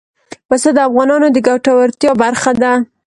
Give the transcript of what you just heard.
پسه د افغانانو د ګټورتیا برخه ده.